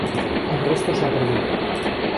El resto se ha perdido.